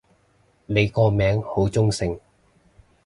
你個名好中性